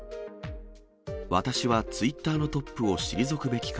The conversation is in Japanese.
私はツイッターのトップを退くべきか？